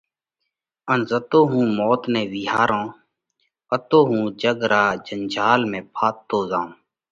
ان زتو هُون موت نئہ وِيهارِيه اتو هُون جڳ را جنجال ۾ ڦاٿتو زائِيه۔